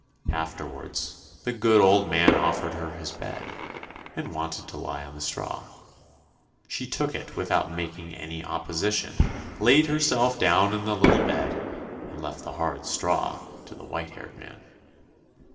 Afterwards, the good old man offered her his bed, and wanted to lie on the straw. She took it without making any opposition, laid herself down in the little bed, and left the hard straw to the white haired man.